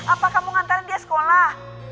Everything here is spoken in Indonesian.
apa kamu ngantarin dia sekolah